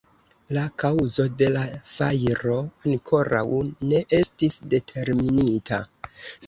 La kaŭzo de la fajro ankoraŭ ne estis determinita.